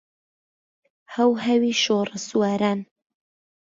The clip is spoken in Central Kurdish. هەوهەوی شۆڕەسواران